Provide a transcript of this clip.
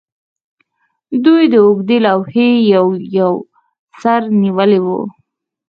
دوی د اوږدې لوحې یو یو سر نیولی و